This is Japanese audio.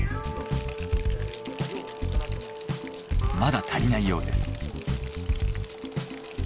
まだ足りないようです。